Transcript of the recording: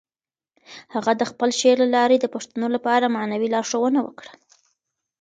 هغه د خپل شعر له لارې د پښتنو لپاره معنوي لارښوونه وکړه.